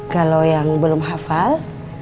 kalau yang belum hafal